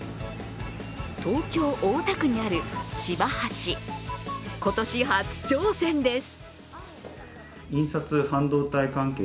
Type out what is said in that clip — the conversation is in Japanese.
東京・大田区にある芝橋、今年初挑戦です。